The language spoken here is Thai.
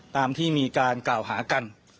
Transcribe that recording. ตามที่มีการกล่าวหากัน